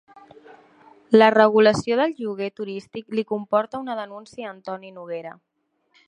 La regulació del lloguer turístic li comporta una denúncia a Antoni Noguera